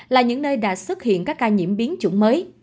là những nơi đã xuất hiện các ca nhiễm biến chủng mới